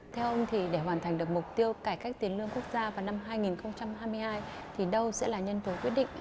theo ông thì để hoàn thành được mục tiêu cải cách tiền lương quốc gia vào năm hai nghìn hai mươi hai thì đâu sẽ là nhân tố quyết định